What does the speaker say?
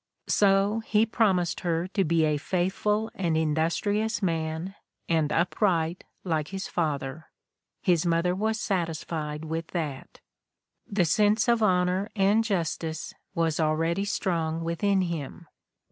So he promised her to be a faithful and industrious man, and upright, like his father. His mother was satisfied with that. The sense of honor and justice was already strong within him.